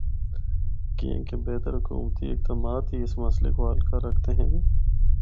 کیانکہ بہتر حکومتی اقدامات ہی اس مسئلے کو حل کر ہکدے ہن۔